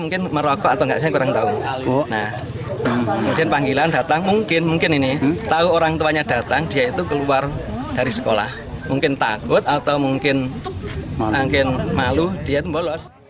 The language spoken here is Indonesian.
kemudian panggilan datang mungkin mungkin ini tahu orang tuanya datang dia itu keluar dari sekolah mungkin takut atau mungkin malu dia itu bolos